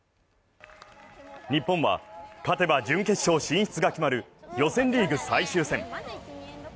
日本は勝てば準決勝進出が決まる予選リーグ最終戦。